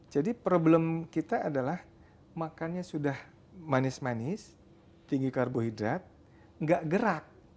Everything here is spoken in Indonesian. jadi masalah kita adalah makannya sudah manis manis tinggi karbohidrat tidak gerak